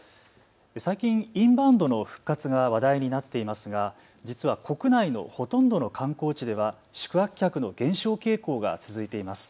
最近、インバウンドの復活が話題になっていますが実は国内のほとんどの観光地では宿泊客の減少傾向が続いています。